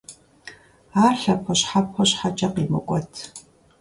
Ар лъэпощхьэпо щхьэкӀэ къимыкӀуэт.